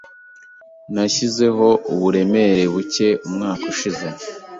Nashyizeho uburemere buke umwaka ushize.